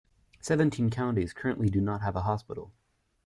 Seventeen counties currently do not have a hospital.